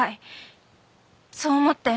そう思って。